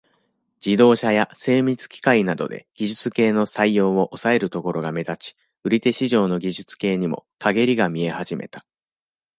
自動車や、精密機械などで、技術系の採用を、抑えるところが目立ち、売り手市場の技術系にも、かげりが見え始めた。